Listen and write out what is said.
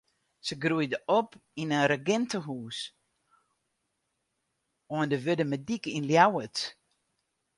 Se groeide op yn in regintehûs oan de Wurdumerdyk yn Ljouwert.